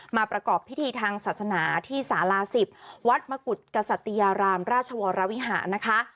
ประกอบพิธีทางศาสนาที่สาลา๑๐วัดมกุฎกษัตยารามราชวรวิหารนะคะ